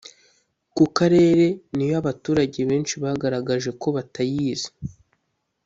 ku karere niyo abaturage benshi bagaragaje ko batayizi